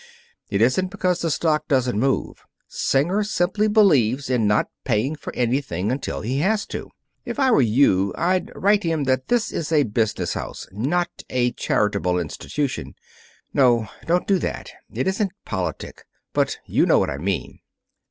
It isn't because the stock doesn't move. Singer simply believes in not paying for anything until he has to. If I were you, I'd write him that this is a business house, not a charitable institution No, don't do that. It isn't politic. But you know what I mean."